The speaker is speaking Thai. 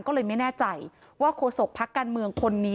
ก็เลยไม่แน่ใจว่าโฆษกพักการเมืองคนนี้